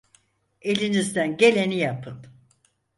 Elinizden geleni yapın.